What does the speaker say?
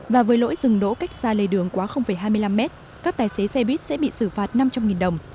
và với lỗi dừng đỗ cách xa lây đường quá hai mươi năm m các tài xế xe buýt sẽ bị xử phạt năm trăm linh đồng